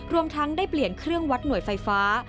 รวมทั้งได้เปลี่ยนเครื่องวัดหน่วยไฟฟ้า